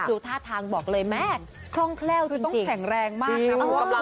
ดูท่าทางบอกเลยแม่คล่องแคล่วจะต้องแข็งแรงมากครับ